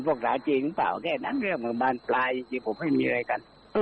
ไม่มีการทะเละหรือมีการอะไรกันใช่มั้ยคะ